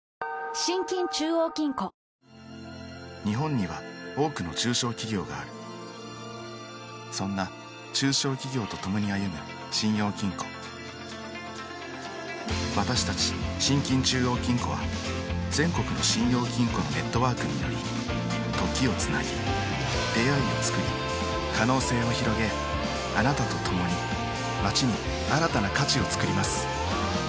日本には多くの中小企業があるそんな中小企業とともに歩む信用金庫私たち信金中央金庫は全国の信用金庫のネットワークにより時をつなぎ出会いをつくり可能性をひろげあなたとともに街に新たな価値をつくります